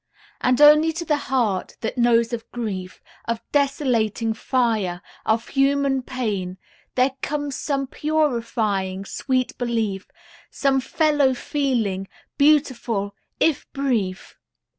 And only to the heart that knows of grief, Of desolating fire, of human pain, There comes some purifying sweet belief, Some fellow feeling beautiful, if brief.